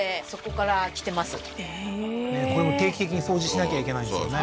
これも定期的に掃除しなきゃいけないんですよね